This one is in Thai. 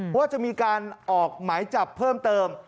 ว่าจะมีการออกหมายจับเพิ่มเติม